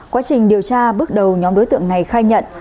quá trình điều tra bước đầu nhóm đối tượng này khai nhận